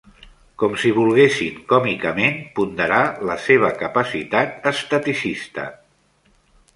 ...com si volguessin còmicament ponderar la seva capacitat esteticista.